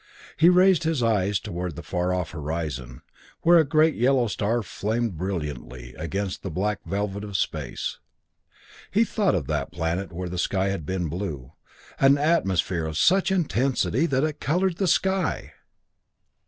He raised his eyes toward the far off horizon, where a great yellow star flamed brilliantly against the black velvet of space. He thought of that planet where the sky had been blue an atmosphere of such intensity that it colored the sky!